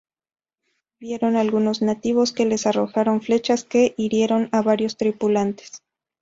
Vieron algunos nativos, que les arrojaron flechas, que hirieron a varios tripulantes.